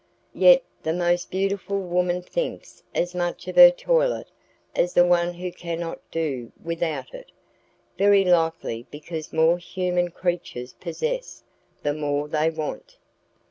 Yet the most beautiful woman thinks as much of her toilet as the one who cannot do without it very likely because more human creatures possess the more they want.